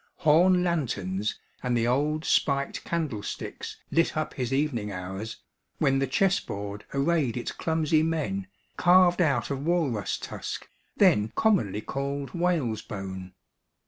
Horn lanterns and the old spiked candle sticks lit up his evening hours, when the chess board arrayed its clumsy men, carved out of walrus tusk, then commonly called whale's bone.